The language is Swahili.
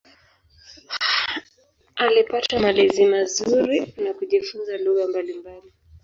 Alipata malezi mazuri na kujifunza lugha mbalimbali.